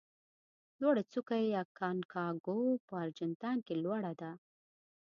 لوړه څوکه یې اکانکاګو په ارجنتاین کې لوړه ده.